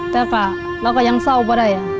แต่เราก็ยังเศร้าไม่ได้